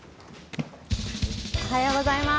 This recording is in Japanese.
おはようございます。